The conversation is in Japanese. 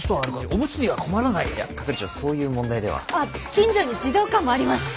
近所に児童館もありますし。